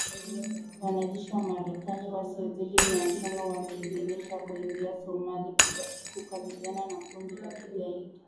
Wanajeshi wa Marekani wasiozidi mia tano wameidhinishwa kuingia Somalia kukabiliana na kundi la kigaidi